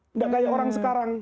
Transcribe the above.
tidak seperti orang sekarang